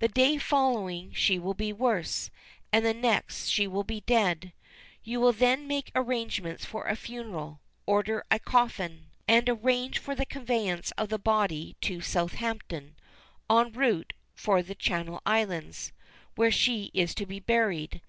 The day following she will be worse, and the next she will be dead. You will then make arrangements for the funeral, order a coffin, and arrange for the conveyance of the body to Southampton, en route for the Channel Islands, where she is to be buried.